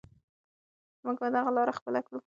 موږ به دغه لاره خپله کړو.